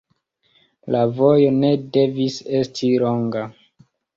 La vojo ne devis esti longa.